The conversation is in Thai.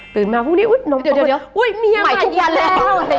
ตื่นมาพรุ่งนี้อุ้ยแมนมาแล้ว